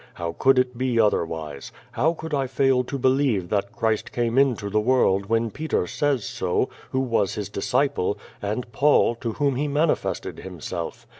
How could it be otherwise? How could I fail to believe that Christ came into the world when Peter says so, who was his disciple, and Paul, to whom he manifested Himself?